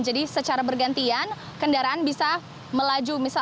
jadi secara bergantian kendaraan bisa melaju